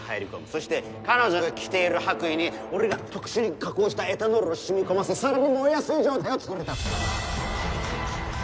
そして彼女が着ている白衣に俺が特殊に加工したエタノールを染み込ませさらに燃えやすい状態を作り出す。